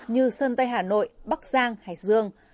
như sơn tây hà nội bắc giang hải dương